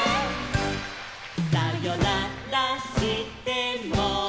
「さよならしても」